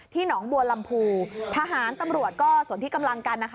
หนองบัวลำพูทหารตำรวจก็ส่วนที่กำลังกันนะคะ